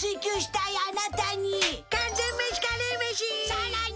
さらに！